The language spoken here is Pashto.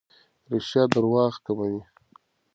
رښتیا درواغ کموي.